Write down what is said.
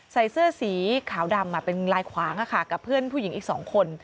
ใส่เสื้อสีขาวดำเป็นลายขวางกับเพื่อนผู้หญิงอีก๒คน